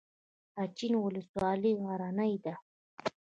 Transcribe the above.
اچین ولسوالۍ غرنۍ ده؟